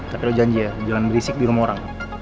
tapi ada janji ya jangan berisik di rumah orang